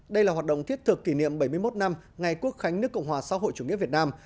đây là hoạt động thiết thực kỷ niệm bảy mươi một năm ngày quốc khánh nước cộng hòa xã hội chủ nghĩa việt nam